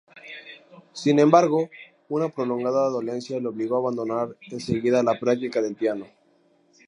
Sin embargo una prolongada dolencia le obligó a abandonar enseguida la práctica del piano.